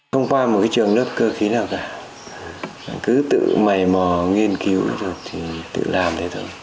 không qua một trường nước cơ khí nào cả cứ tự mày mò nghiên cứu thì tự làm thế thôi